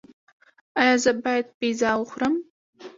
ایا زه باید پیزا وخورم؟